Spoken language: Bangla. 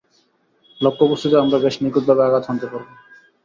লক্ষ্যবস্তুতে আমরা বেশ নিখুঁতভাবে আঘাত হানতে পারব।